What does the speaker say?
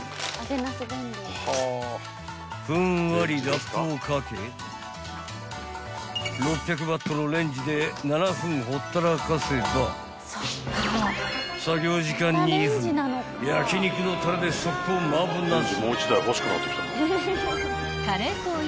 ［ふんわりラップをかけ６００Ｗのレンジで７分ほったらかせば作業時間２分焼肉のたれで速攻麻婆なす］